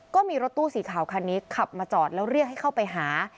ก็มีรถตู้สีขาวคันนี้ขับมาจอดแล้วเรียกให้เข้าไปหา